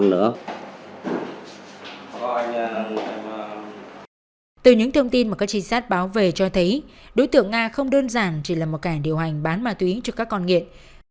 từ những thông tin mà các trinh sát báo về cho thấy đối tượng nga không đơn giản chỉ là một kẻ điều hành bán ma túy cho các con nghiện